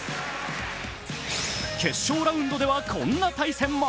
決勝ラウンドではこんな対戦も。